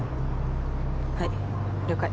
はい了解